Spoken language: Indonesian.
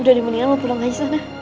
udah di mendingan lo pulang aja sana